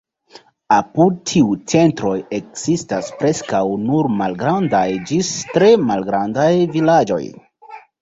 Apud tiuj centroj ekzistas preskaŭ nur malgrandaj ĝis tre malgrandaj vilaĝoj.